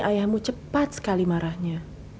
ayahmu cepat sekali marahnya